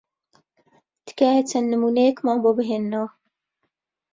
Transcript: تکایە چەند نموونەیەکمان بۆ بهێننەوە.